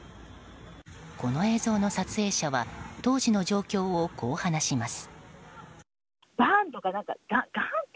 この映像の撮影者は当時の状況をこう話します。